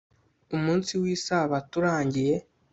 umunsi w'isabato urangiye